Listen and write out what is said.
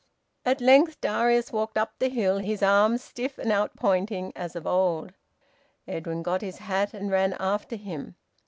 At length Darius walked up the hill, his arms stiff and out pointing, as of old. Edwin got his hat and ran after him.